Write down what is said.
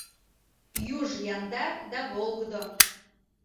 Юж яндар да волгыдо.